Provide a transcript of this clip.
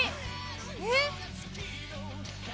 えっ？